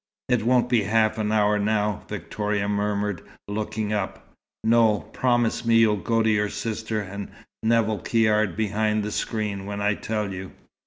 "It won't be half an hour now," Victoria murmured, looking up. "No. Promise me you'll go to your sister and Nevill Caird behind the screen, when I tell you."